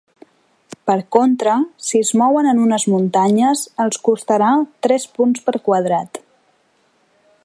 Per contra, si es mouen en unes muntanyes, els costarà tres punts per quadrat.